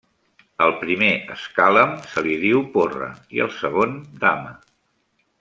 Al primer escàlem se li diu porra i al segon dama.